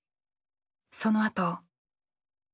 そのあと。